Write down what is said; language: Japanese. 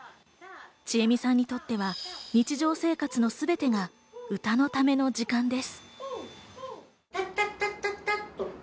ちえみさんにとっては日常生活のすべてが歌のための時間です。